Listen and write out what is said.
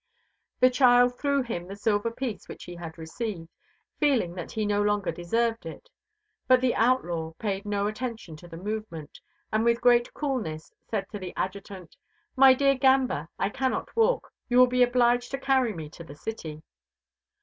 The child threw him the silver piece which he had received, feeling that he no longer deserved it; but the outlaw paid no attention to the movement, and with great coolness said to the Adjutant: "My dear Gamba, I cannot walk; you will be obliged to carry me to the city."